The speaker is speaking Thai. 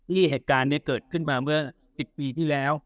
นี่เหตุการณ์นี้เกิดขึ้นมาเมื่อ๑๐ปีที่แล้ว